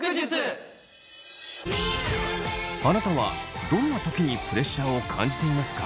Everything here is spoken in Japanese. あなたはどんなときにプレッシャーを感じていますか？